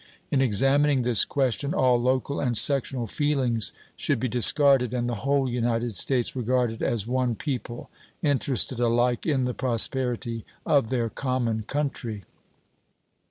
In examining this question all local and sectional feelings should be discarded and the whole United States regarded as one people, interested alike in the prosperity of their common country.